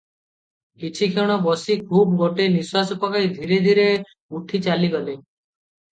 କିଛିକ୍ଷଣ ବସି ଖୁବ୍ ଗୋଟାଏ ନିଶ୍ୱାସ ପକାଇ ଧୀରେ ଧୀରେ ଉଠି ଚାଲିଗଲେ ।